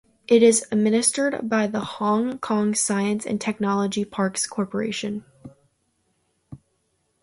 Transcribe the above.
It is administered by the Hong Kong Science and Technology Parks Corporation.